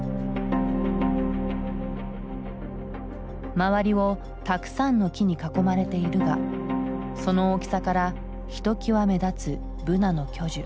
周りをたくさんの木に囲まれているがその大きさからひときわ目立つブナの巨樹。